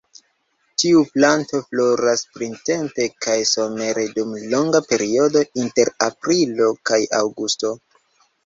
Tiu planto floras printempe kaj somere dum longa periodo inter aprilo kaj aŭgusto.